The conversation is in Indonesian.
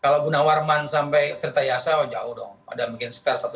kalau guna warman sampai tritayasa jauh dong mungkin sekitar satu lima kilo atau dua ratus meter